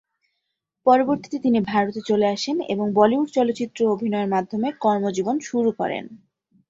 পরবর্তীতে তিনি ভারতে চলে আসেন এবং বলিউড চলচ্চিত্রে অভিনয়ের মাধ্যমে কর্মজীবন শুরু করেন।